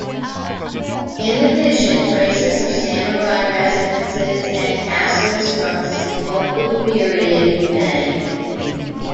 In addition, traces of samurai residences and castles from the Sengoku period remain.